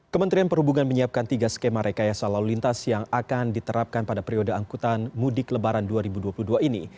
kementerian perhubungan menyiapkan tiga skema rekayasa lalu lintas yang akan diterapkan pada periode angkutan mudik lebaran dua ribu dua puluh dua ini